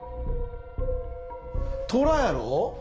トラやろ。